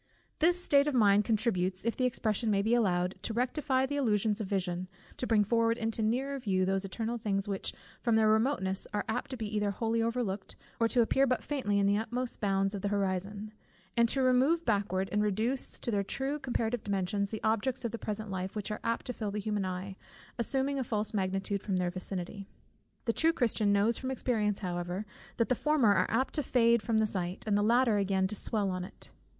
This state of mind contributes, if the expression may be allowed, to rectify the illusions of vision, to bring forward into nearer view those eternal things which from their remoteness are apt to be either wholly overlooked, or to appear but faintly in the utmost bounds of the horizon; and to remove backward, and reduce to their true comparative dimensions, the objects of the present life, which are apt to fill the human eye, assuming a false magnitude from their vicinity. The true Christian knows from experience however, that the former are apt to fade from the sight, and the latter again to swell on it.